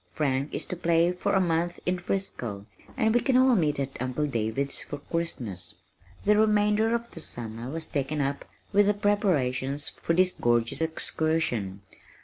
Frank is to play for a month in Frisco, and we can all meet at Uncle David's for Christmas." The remainder of the summer was taken up with the preparations for this gorgeous excursion.